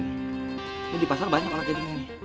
nih di pasar banyak orang kayak gini